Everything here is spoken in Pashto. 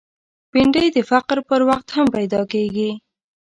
بېنډۍ د فقر پر وخت هم پیدا کېږي